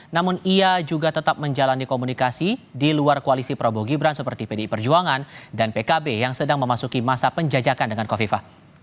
namun ia juga tetap menjalani komunikasi di luar koalisi prabowo gibran seperti pdi perjuangan dan pkb yang sedang memasuki masa penjajakan dengan kofifa